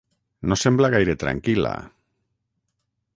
No sembla gaire tranquil·la.